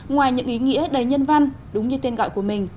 ngoài những ý nghĩa đầy nhân văn đúng như tên gọi của mình